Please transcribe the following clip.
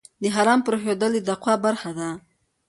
د حرام پرېښودل د تقوی برخه ده.